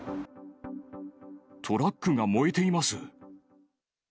トラックが燃えています。